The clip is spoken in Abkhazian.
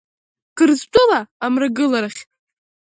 Қырҭтәыла амрагыларахь.